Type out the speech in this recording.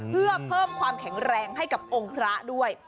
เพื่อเพิ่มความแข็งแรงให้กับองค์พระด้วย